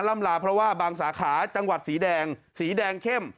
ล่ำลาเพราะว่าบางสาขาจังหวัดสีแดงสีแดงเข้ม